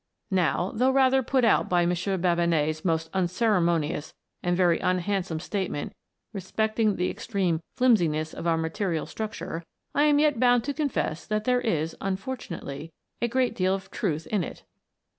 Now, though rather put out by M. 200 A TALE OF A COMET. Babinet's most unceremonious and very unhand some statement respecting the extreme " flimsi ness" of our material structure, I am yet bound to confess that there is, unfortunately, a great deal of truth in it.